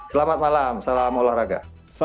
selamat malam salam olahraga